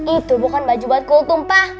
itu bukan baju buat kultum pa